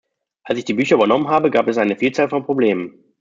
Als ich die Bücher übernommen habe, gab es eine Vielzahl von Problemen.